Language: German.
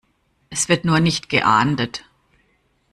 Es wird nur nicht geahndet.